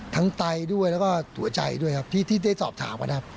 ไตด้วยแล้วก็หัวใจด้วยครับที่ได้สอบถามกันครับ